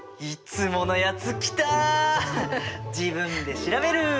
自分で調べる！